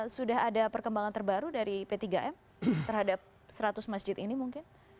sudah ada perkembangan terbaru dari p tiga m terhadap seratus masjid ini mungkin